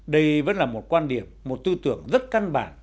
đây vẫn là một quan điểm một tư tưởng rất căn bản